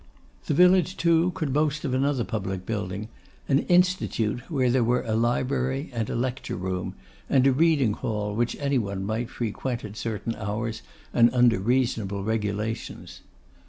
The village, too, could boast of another public building; an Institute where there were a library and a lecture room; and a reading hall, which any one might frequent at certain hours, and under reasonable regulations.